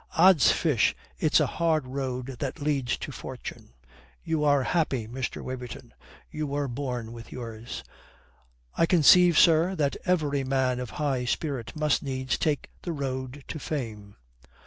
"Odds fish, it's a hard road that leads to fortune. You are happy, Mr. Waverton. You were born with yours." "I conceive, sir, that every man of high spirit must needs take the road to fame."